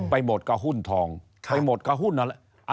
ไปหมดก็หุ้นทองไปหมดก็หุ้นอะไร